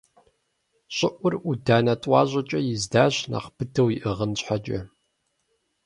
ЩӀыӀур Ӏуданэ тӀуащӀэкӀэ издащ нэхъ быдэу иӀыгъын щхьэкӀэ.